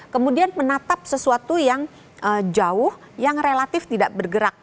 kemudian menatap sesuatu yang jauh yang relatif tidak bergerak